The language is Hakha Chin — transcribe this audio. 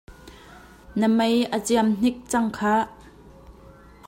Na mei a ciam hnik cang khah!